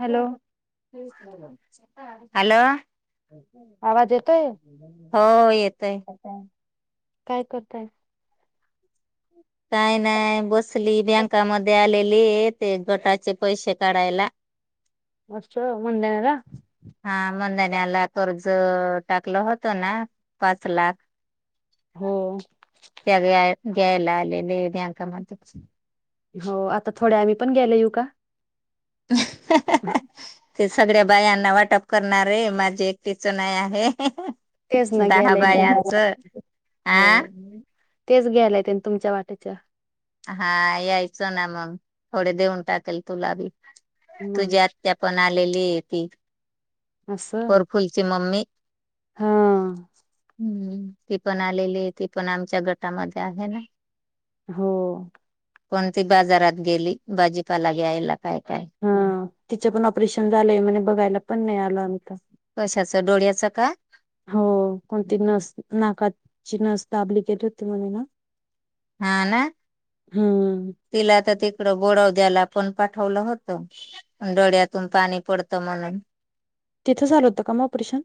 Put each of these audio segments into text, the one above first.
Hello hello आवाज येतोय हो येतयकि. काय करताय काही नाही बसली बँकामध्ये आलेली ते गटाचे पैसे काढायला वस् मुंदेला हा मधण्याला कर्ज टाकलं होतं ना पाच लाख हो त्या ग घ्यायला आलेलेका म हो आता थोडे्या आम्ही पण गेले येऊ का? ह ते सगळ्या बायांना वाटप करणारे माझी एकटीच नाही आहे तेच न दहा घ्याला बायांचं हो आ तेच घ्यायलाय तुमच्या वाट्याच्या हा यायचं ना मग थोडे देऊन टाकेल तुला बी मग तुझ्या आत पण आलेली आहे ती. अससं फोलची मम्मी हा हम्म ती पण आलेली ती पण आमच्या गटामध्ये आहे ना हो कोणती बाजारात गेली भाजीपाला घ्यायला काय काय हा तिच पण ऑपरेशन झालंय म्हणे बघायला पण नाही आलं आता कशाचं डोळ्याचं का हो कोणती नस नाकात चिनसताबलिकेेत होते म्हण ना हा ना हम् तिला तर तिकडं बोडव द्यायला पण पाठवलं होत डोळ्यातून पाणी पडतं म्हणून तिथं झाल होत का ऑपरशन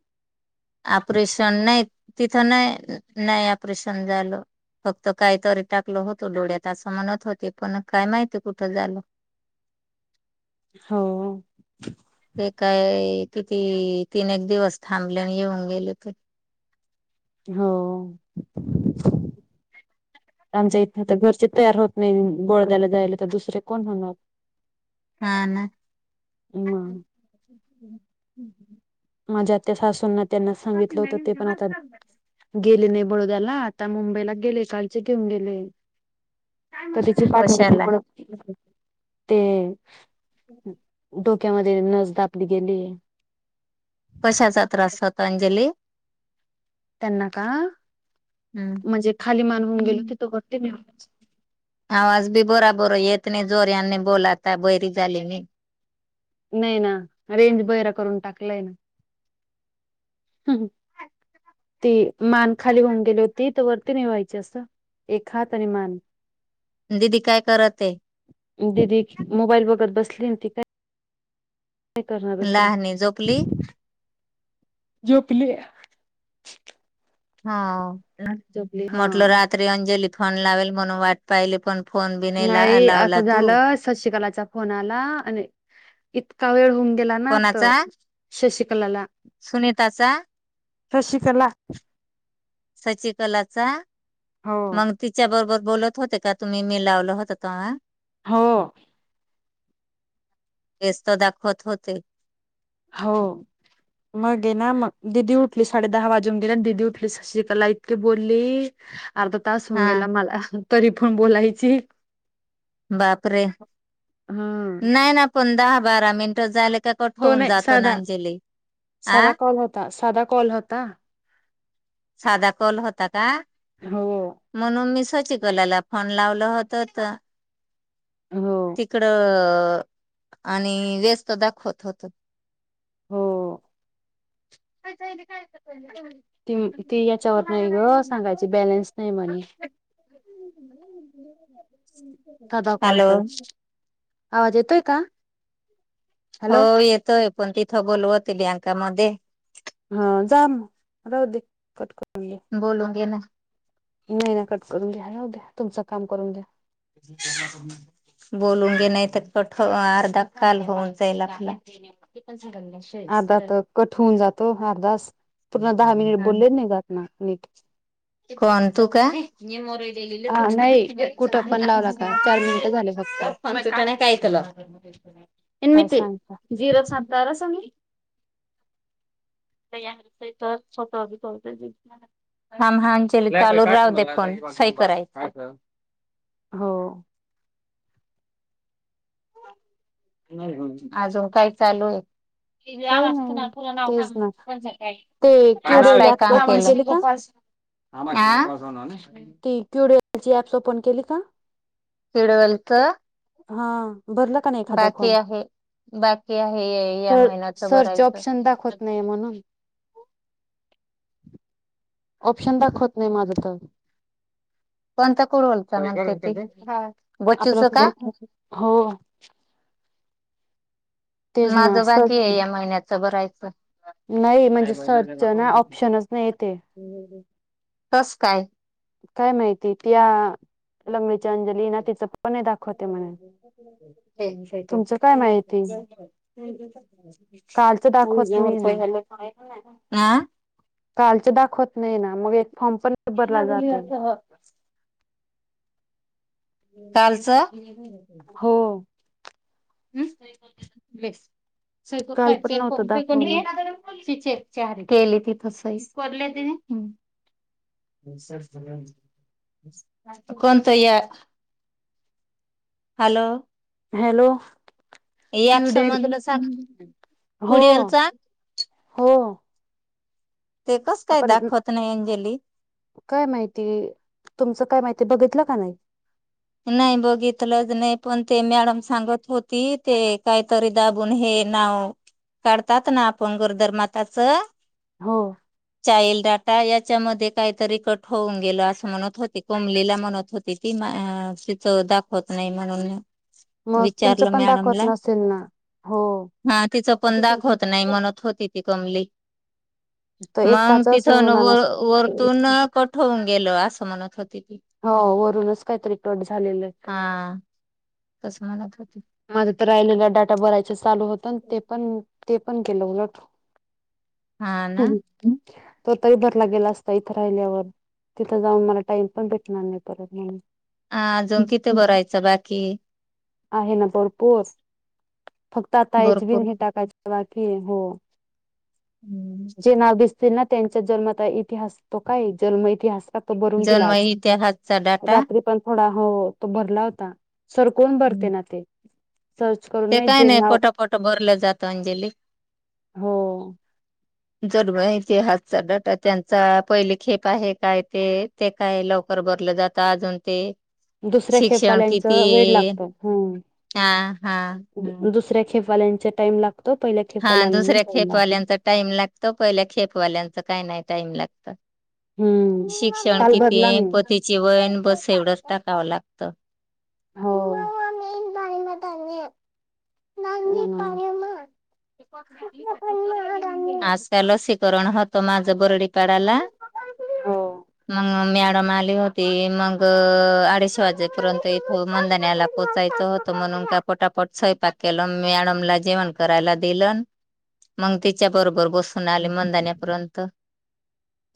ऑपरेशन नाही तिथं नाही नाही ऑपरेशन झालं फक्त काही तरी टाकलं होतो डोळ्यात असं म्हणत होते पण काय माहिती कुठं झालंय? हो ते काय किती तीन एक दिवस थांबल्याने येऊन गेले तर हो आमच्या इथ तर घरचे तयार होत नाही बोळद्याला जायला तर दुसरे कोण होणार. हा ना मग माझ्या त्या सासूंना त्यांना सांगितलं होतं ते पण आता गेले नाही बडोद्याला आता मुंबईला गेले कालचे घेऊन गेले तर त्याची पाठ कशाला ते क्यामध्ये नस कापली गेली कशाचा त्रास होताो अंजली त्यांना का हम्म. म्हणजे खाली मान होऊन गेलो त तो घटते म आवाज बी बरा बर येत नाही जोर याने बोलाता बैरी झाली नाही नाही ना रेंज बैरा करून टाकलाय ना ती मान खाली होऊन गेली होती तर वरती नाही व्हायची अस एखात आणि मान दिीदी काय करत आहे ददी मोबाईल बगत बसली ती काय नाही करणार दुसरा लहानी झोपली जो प्ले. हा जबली हा त्री अंजली फोन लावेल म्हणून वाट पाहिली पण फोन बी नाही लावला तू सशिकलाचा फोन आला आणि इतका वेळ होऊन गेला ना तर. सश कलला सुनीता चा शशिकला सचिकलाचा हो मंग तिच्या बरोबर बोलत होते का तुम्ही मी लावलं होत ते्हा हो तेस्त दाखवत होते. हो मग ये ना मग दिीदी उठली साडे दहा वाजून गे ना दीदी उठली शशिकला इतकीे बोलली अर्धा तास होऊन हा गेला मला तरी पण बोलायची बापरे हा नाही ना पण दहा बारा मिनट झाले. कट तो होऊन नाही जातो ना अंजली अं. सादा कॉलता साध कोल होता का हो म्हणून मी शशी कलाला फोन लावल होत तर हो तिकडं आणि व्यस्त दाखवत होत हो का काय ती तेी याच्यावर नाही ग सांगायची बॅलेन्स नाही म्हणे ह् हम् दादा कॉल कर आवाज येतोय का हो हॅलो येतोय पण तिथं बोलवते बँंका मध्ये हा जाम राह दे कटकट बोलून घे ना नाही ना कट करून घ्या जा द्या तुमचं काम करून द्या हा बोलून घे नाही तर पठ अर्धा काल होऊन जाईल आपला. किपनिंग गंगेश अर्धा तर कट होऊन जातो अर्धास पूर्ण दहा मिनिट बोलले नाही जात ना. कोण तू का न मोरले हा तुठ नाही कुठं पण लावला का चार मिनिटं झाले फक्त पचना कायतला एम काय सांगता जिरो सातार या तर सत खाम हानचे चालूर राव दे पण सई करायच हो अजून काय चालू आहे? इे काही आमलासं खा नाही पो नाव ख तेच ना पनजं का ते आज क्युडल काय ऍप काम के ओपन केली का ती क्यूरलची ऍप्स ओपन केली का किडवेलत हा बरल बाकी आहे बाकी आहे या तर महिन्याच सर्च भरायचं ऑप्शन दाखवत नाही म्हणून ऑप्शन दाखवत नाही माझं तर. पण तर कोण बोलतग बचच आपलं का. खूप हो तेच ना माझं बाकी सर्च आहे या महिन्याच भरायचं नाही म्हणजे सर्च ना ऑप्शनच नाही ते तस काय काय माहिती त्या लंगडी अंजली ना तिच पण दाखवते म्हणे तुमचं काय माहिती कालचं दाखवत नाही ना [inaudible] कालच दाखवत नाही ना मग एक फॉर्म पण भरला लागलीया जाते अस ह कालचं हो हस काय काल पण नव्हतं दाखवलं चार केली त तस कर ति कोणत या हॅलो हॅलो याप क्यूडेल समजलं सांग हो पुढेलचा हो ते कस काय आपण दाखवत नाही अंजली काय माहिती तुमचं काय माहिती बघितलं का नाही नाही बघितलंच नाही पण ते मॅडम सांगत होती ते काहीतरी दाबून हे नाव काढतात ना आपण गोरदरमाताच हो चाईल डाटा याच्यामध्ये काहीतरी कट होऊन गेल असं म्हणत होते कोमलीला म्हणत होती ती तिथ दाखवत नाही म्हणून मग तुमचं विचारलं पण दाखवत मॅडमला नसेल ना हो हा तिचं पण दाखवत नाही म्हणत होती ती कमली तर मग एकाच असं तीतुन होणार नस वरतून कट होऊन गेलो असं म्हणत होती ती हो वरूनच काहीतरी कट झालेलं हा तस म्हणत होती माझ तर राहिलेला डाटा भरायच चालू होत ते पण ते पण केलं उलट हा ना ह तर तरी भरला गेला असता इथे राहिल्यावर तिथं जाऊन मला टाइम पण भेटणार नाही परत म्हणून ह अजून किथे बरायचं बाकी आहे ना भरपूर फक्त आता भरपूर एजबन हे टाकायचे ला [unintelligible] हो हम्म. जे नाव दिसतील ना त्यांच्या जन्माता इतिहास तो काय जन्म इतिहास [unintelligible] त भरून किला जन्म आज इतिहासचा डाटा रात्री पण थोडा हो तो भरला होता, सर कोण भरते हम्म. ना ते सर्च करून ते नाही काही जे नई नाव पटापटा भरलं जात अंजली हो जर ब इतिहासचा डाटा त्यांचा पहिले खेप आहे काय ते ते काय लवकर बरलं जातं अजून ते दुसऱ्या शिक्षण खेपवाल्यांचं किती? वेळ लागतो हम्म हा हा [unintelligible] दुसऱ्या खेपवाल्यांचा टाइम लागतो पहिल्या हा खेपवाल्यांना दुसऱ्या टाइम लागतो खेपवाल्यांचा टाइम लागतो, पहिल्या खेपवाल्यांच काही नाही टाईम लागत हम्म शिक्षण काल किती, भरला मी पतीची वयण बस एवढंच टाकावं लागतं. हो [unintelligible] [unintelligible] आज का लसीकरण हत त माझ बरडीपाडाला मंग मॅडम आले हो ती मंग अडीच वाजेपर्यंत इथ मंदान्याला पोहोचायचं होतं म्हणून का पटापट स्वयपाक केलं, मॅडम ला जेवण करायला. दिलन मंग तिच्या बरोबर बसून आले मंदान्या पर्यंत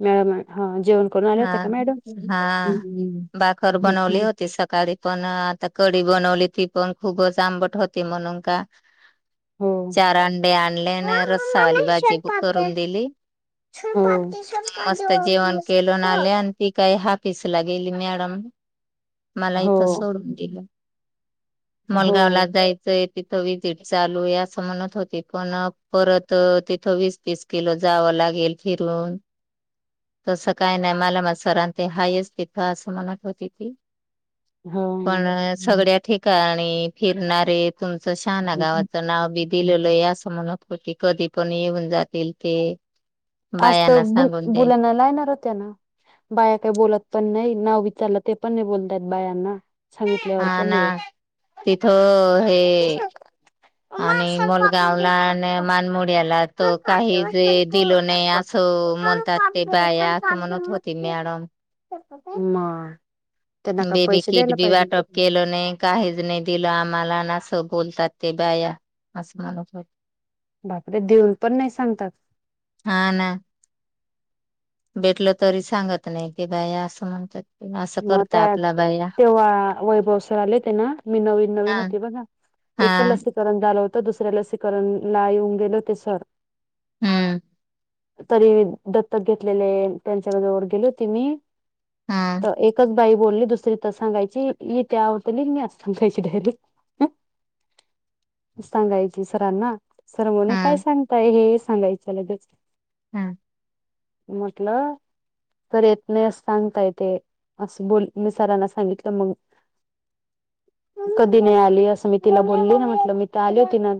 मॅडम हा जेवण करून आले हा होते का हा मॅडम बाखर घेत बनवली नाहीत. होती सकाळी पण आता कडी बनवली ती पण खूपच आंबट होती म्हणून का? हो. चार अंडे आणले हो आणि रस्सावाली भाजी ब करून दिली. मस्त जेवण केलं ना आले आणि ती काय हाफिस ला गेली मॅडम मला इथं सोडून दिलं, हो मुलगा आला हो. जाय [unintelligible] तिथं विजिट चालू ये अस अस म्हणत होती पण परत तिथं वीस तीस किलो जावं लागेल फिरून तसं काय नाही मला म सरान ते हायस्ट इथं असं म्हणत होती ती हो. पण सगळ्या ठिकाणी फिरणारे तुमचं शाना गावाचं नाव बी दिलेल ये आस म्हणत होती, कधी पण येऊन जातील ते आज बायांना [unintelligible] बुल सांगून द्याय बुलण्याल लाणार होत्या ना, बाया काय बोलत पण नई, नाव विचारलं ते पण नई बोलतात बायांना सांगितल्यावर हा पण ना नाही. तिथं हे मग आणि मुलगावला आणि मानमोड्याला त काही जे दिल नई असं म्हणतात ते बाया असं म्हणत होती मॅडम [unintelligible] म बेबी किट बी वाटप केल नई. काहीच नई दिलं आम्हाला ना असं बोलतात ते बाया असं म्हणत हो बाप रे! देऊन पण नई सांगतात. हा ना भेटल तरी सांगत नई कि बाई असं म्हणतात. अस मग करता त्या आपला [unintelligible] तेव्हा वैभव सर आले ते ना, मी नवीन हा नवीन होते बघा एक हा लस करण झालं होत दुसऱ्या लसीकरण ला येऊन गेले होते सर हम्म. तरी दत्तक घेतलेले त्यांच्या [unintelligible] गेले होते मी हा. तर एकच बाई बोलली दुसरी तर सांगायची इथे आवतेली मी आज सांगायची डायरेक्ट सांगायची सरांना सर्वने काय हम्म सांगताय हे सांगायच त्या हम् म्हटलं तर येत नाहीस सांगताय ते असं बोल मी सरांना सांगितलं मग कधी नाही आली असं मी तिला बोलली ना म्हटलं मी तर आली होती ना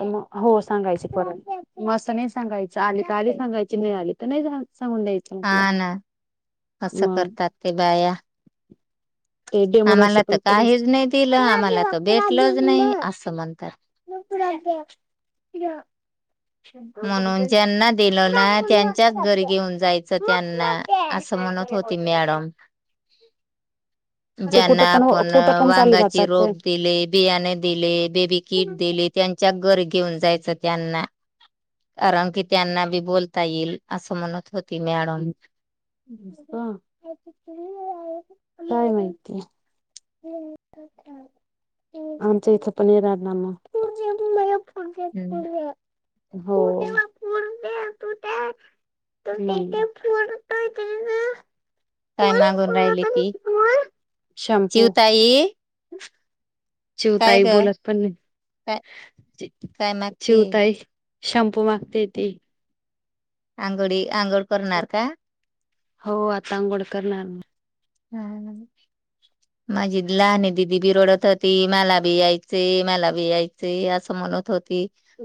मग हो सांगायच परत मग असं नाही सांगायचं आली तर आली सांगायची नाही आली तर नाही सांगून द्यायच हा ना असं करतात ते बाया ते डेमोरेसी आम्हाला तर पण करव काहीच नाही दिलं आम्हाला तर भेटलच नाही असं म्हणतात [inaudible] म्हणून ज्यांना दिल ना त्यांच्याच घरी घेऊन जायचं त्यांना असं म्हणत होती मी ते ज्यांना कुठं पण आपण कुठं पण वा चालले जातात रोप ते दि बियाणे दिले बेबी किट दिले त्यांच्या घर घेऊन जायचं त्यांना कारण की त्यांना बी बोलता येईल असं म्हणत होती मॅडम हा काय माहितीय आमच्या इथं पण राणारना हम्म. हो हुम्मम [unintelligible] काय मागून राहिली ती चिवताई हम काय चिवताई ग बोलत पण काय नाही काय मागते चिवताई शॅम्पू मागते ती आंघोळी आंघोळ करणार का हो आता आंघोळ करणार न [unintelligible] [inaudible] माझी लहान दिदी बिरडत होती मला बी यायचे मला बी यायचे असं म्हणत होती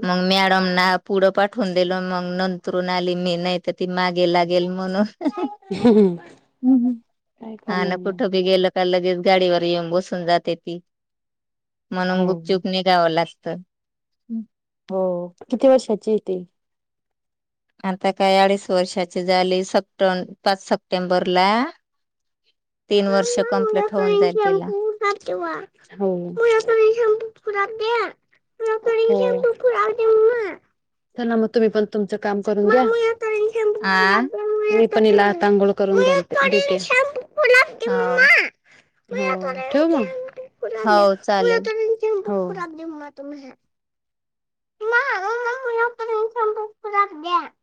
मंग मॅडमना पुढं पाठवून दिलं मंग नंतरून आली मी नाही तर ती माग गे लागेल म्हणून हम हा ना कुठं बी गेल का लगेच गाडीवर येऊन बसून जाते ती म्हणून हो गुप चूप निघावं लागतं हो. किती वर्षाची हे ती? आता काय अडीच वर्षाची झाली सप्टे पाच सप्टेंबरला [inaudible] तीन वर्ष कंपलेट होऊन जाईल तिला. कवा हो [unintelligible] [inaudible] त्यांना मग तुम्ही पण तुमचं काम करून द्या आ मी पण इला तांघोळ करून द के हा व. [unintelligible] ठेवू हो मग. चालेल [unintelligible] हो. [unintelligible]